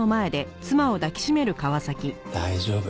大丈夫。